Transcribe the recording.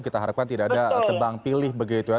kita harapkan tidak ada tebang pilih begitu ya